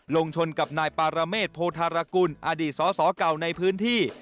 ลงชนกับนายปารเมษโพธารกุลอดีตสอสอเก่าในพื้นที่